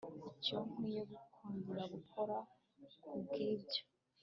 Icyo nkwiye kongera gukora kubwibyo